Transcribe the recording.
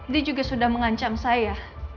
dia juga sudah mengancam saya